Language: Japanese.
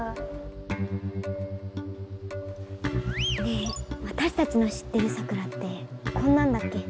ねえわたしたちの知ってるサクラってこんなんだっけ？